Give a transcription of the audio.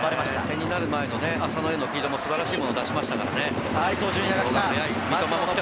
起点になる前のフィードも素晴らしいものを出しましたからね。